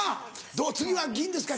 「銅次は銀ですか？